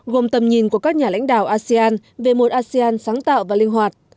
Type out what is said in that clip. gồm tầm nhìn của các nhà lãnh đạo asean về một asean sáng tạo và linh hoạt